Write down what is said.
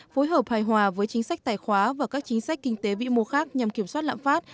phối hợp hài hòa với chính sách tài khoá và các chính sách kinh tế vĩ mô khác nhằm kiểm soát lãm phát